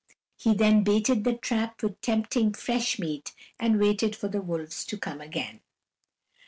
He then baited the trap with tempting fresh meat and waited for the wolves to come again.